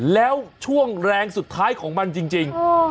แล้วช่วงแรงสุดท้ายของมันจริง